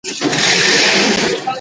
لیکوال د رښتینولۍ نمونه ده.